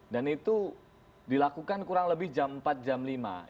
dan itu dilakukan kurang lebih jam empat jam lima